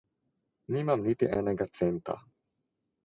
Nimam niti enega centa.